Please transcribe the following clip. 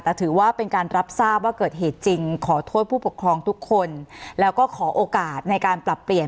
แต่ถือว่าเป็นการรับทราบว่าเกิดเหตุจริงขอโทษผู้ปกครองทุกคนแล้วก็ขอโอกาสในการปรับเปลี่ยน